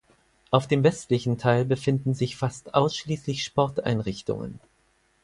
Auf dem westlichen Teil befinden sich fast ausschließlich Sporteinrichtungen.